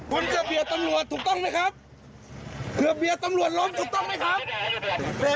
คุณจะเบียดตำรวจถูกต้องไหมครับเผื่อเบียดตำรวจล้มถูกต้องไหมครับ